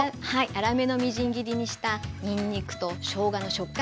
粗めのみじん切りにしたにんにくとしょうがの食感が楽しいたれです。